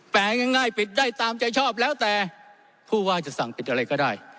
ง่ายปิดได้ตามใจชอบแล้วแต่ผู้ว่าจะสั่งปิดอะไรก็ได้